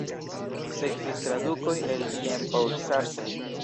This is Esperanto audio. Sekvis tradukoj el Jean-Paul Sartre.